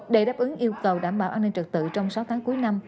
để đáp ứng yêu cầu đảm bảo an ninh trật tự trong sáu tháng cuối năm